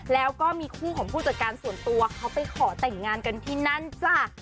แล้วก็มีคู่ของผู้จัดการส่วนตัวเขาไปขอแต่งงานกันที่นั่นจ้ะ